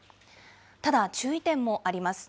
ただ、注意点もあります。